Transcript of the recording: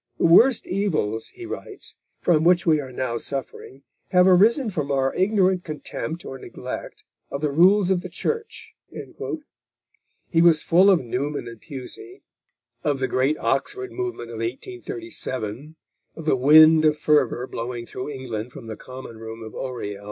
"The worst evils," he writes, "from which we are now suffering, have arisen from our ignorant contempt or neglect of the rules of the Church." He was full of Newman and Pusey, of the great Oxford movement of 1837, of the wind of fervour blowing through England from the common room of Oriel.